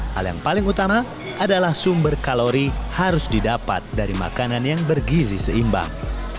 hal yang paling utama adalah sumber kalori harus didapat dari makanan yang bergizi seimbang